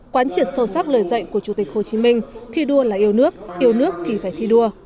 quán triệt sâu sắc lời dạy của chủ tịch hồ chí minh thi đua là yêu nước yêu nước thì phải thi đua